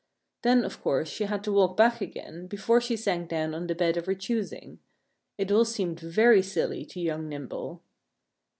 Then, of course, she had to walk back again before she sank down on the bed of her choosing. It all seemed very silly to young Nimble.